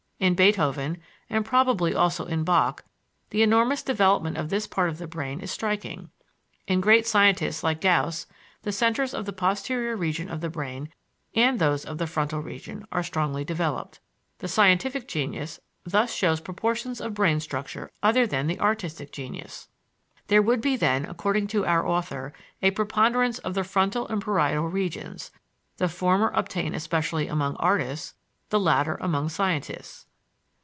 In Beethoven, and probably also in Bach, the enormous development of this part of the brain is striking. In great scientists like Gauss the centers of the posterior region of the brain and those of the frontal region are strongly developed. The scientific genius thus shows proportions of brain structure other than the artistic genius." There would then be, according to our author, a preponderance of the frontal and parietal regions the former obtain especially among artists; the latter among scientists.